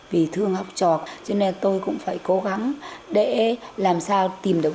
vì thường học trò cho nên tôi cũng phải cố gắng để làm sao tìm được